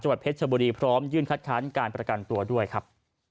วัดเพชรชบุรีพร้อมยื่นคัดค้านการประกันตัวด้วยครับ